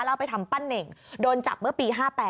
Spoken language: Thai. แล้วไปทำปั้นเน่งโดนจับเมื่อปี๕๘